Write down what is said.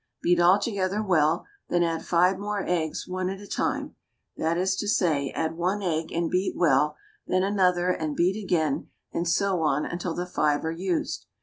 Beat all together well, then add five more eggs, one at a time, that is to say, add one egg and beat well, then another and beat again, and so on until the five are used.